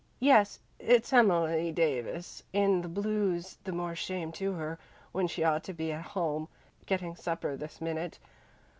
"Yes, it's Emily Davis, in the blues, the more shame to her, when she ought to be at home getting supper this minute.